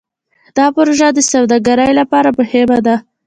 دا پروژه د سوداګرۍ لپاره مهمه ده.